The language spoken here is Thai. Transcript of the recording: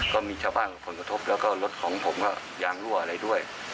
ก็มีชาวบ้านกับผลกระทบแล้วก็รถของผมก็ยางรั่วอะไรด้วย